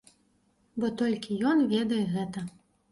Бо толькі ён ведае гэта.